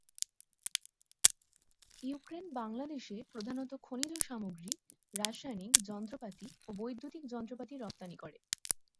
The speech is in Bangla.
ইউক্রেন বাংলাদেশে প্রধানত খনিজ সামগ্রী, রাসায়নিক, যন্ত্রপাতি ও বৈদ্যুতিক যন্ত্রপাতি রপ্তানি করে।